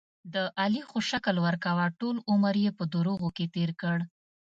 د علي خو شکل ورکوه، ټول عمر یې په دروغو کې تېر کړ.